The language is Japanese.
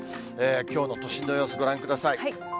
きょうの都心の様子、ご覧ください。